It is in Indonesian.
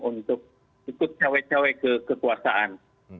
untuk ikut cewek cewek kekuasaan